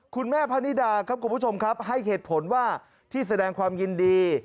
พระนิดาครับคุณผู้ชมครับให้เหตุผลว่าที่แสดงความยินดี